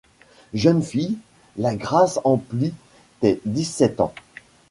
Jeune fille, la grâce emplit tes dix-sept ans.